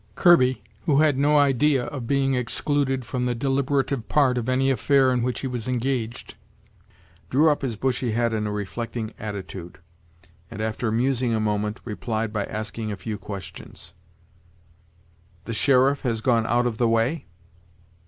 Kirby, who had no idea of being excluded from the deliberative part of any affair in which he was engaged, drew up his bushy head in a reflecting attitude, and after musing a moment, replied by asking a few questions, "The sheriff has gone out of the way?"